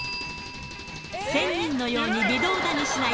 仙人のように微動だにしない